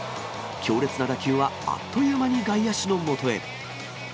強烈な打球はあっという間に外野手のもとへ。